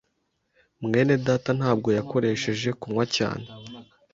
mwene data ntabwo yakoresheje kunywa cyane.